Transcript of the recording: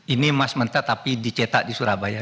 ini emas mentah tapi dicetak di surabaya